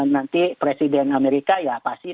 nanti presiden amerika ya pasti